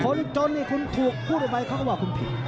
จนเนี่ยคุณถูกพูดออกไปเขาก็ว่าคุณผิด